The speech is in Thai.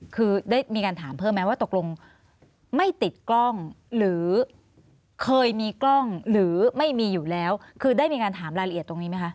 คือได้มีการถามเพิ่มไหมว่าตกลงไม่ติดกล้องหรือเคยมีกล้องหรือไม่มีอยู่แล้วคือได้มีการถามรายละเอียดตรงนี้ไหมคะ